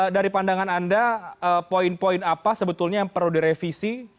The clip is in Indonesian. dari pandangan anda poin poin apa sebetulnya yang perlu direvisi